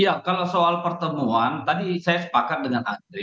ya kalau soal pertemuan tadi saya sepakat dengan andre